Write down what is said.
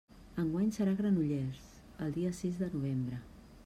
Enguany serà a Granollers, el dia sis de novembre.